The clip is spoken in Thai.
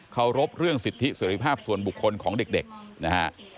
เขารบเรื่องสิทธิเสรีภาพส่วนบุคคลของเด็กนะฮะ